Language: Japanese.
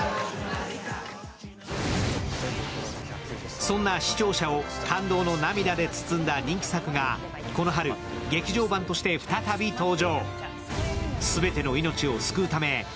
そんな視聴者を感動の涙で包んだ人気作がこの春、劇場版として再び登場。